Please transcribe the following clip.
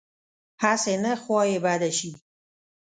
هسې نه خوا یې بده شي.